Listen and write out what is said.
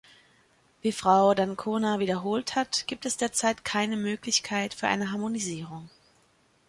Wie Frau d'Ancona wiederholt hat, gibt es derzeit keine Möglichkeit für eine Harmonisierung.